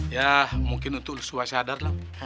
ya mungkin untuk lo sudah sadar